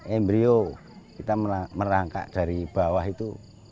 embryo kita merangkak dari bawah itu